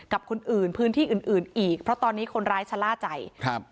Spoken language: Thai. กับคนอื่นพื้นที่อื่นอื่นอีกเพราะตอนนี้คนร้ายชะล่าใจครับ